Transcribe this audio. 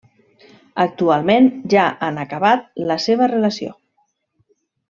Actualment, ja han acabat la seva relació.